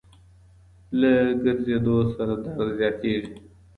له ګرځېدو سره درد زیاتیږي.